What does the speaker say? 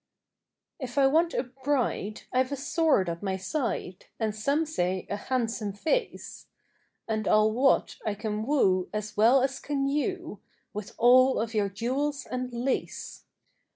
If I want a bride, I've a sword at my side, And some say a handsome face; And I'll wot I can woo as well as can you, With all of your jewels and lace.